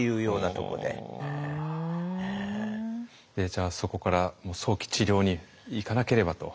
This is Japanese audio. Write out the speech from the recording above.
じゃあそこから早期治療にいかなければと。